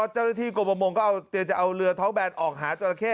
เจ้าและที่กรปมงค์ก็จะเอาเรือท้องแบรนด์ออกหาจอและเข้